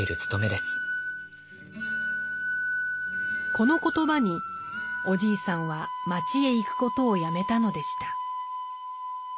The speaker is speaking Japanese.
この言葉におじいさんは町へ行くことをやめたのでした。